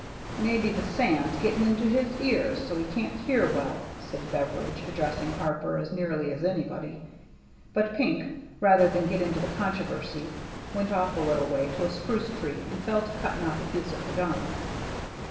" Maybe the sand's getting into his ears so he can't hear well," said Wilson, addressing Harper as nearly as anybody. But Pink, rather than get into the controversy, went oflF a little way to a spruce tree and fell to cutting oflF a piece of the gum.